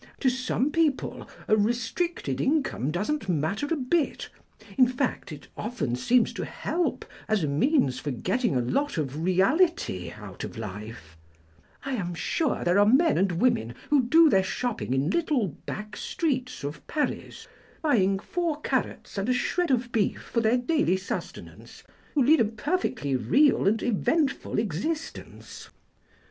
To some people a restricted income doesn't matter a bit, in fact it often seems to help as a means for getting a lot of reality out of life; I am sure there are men and women who do their shopping in little back streets of Paris, buying four carrots and a shred of beef for their daily sustenance, who lead a perfectly real and eventful existence.